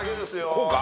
こうか？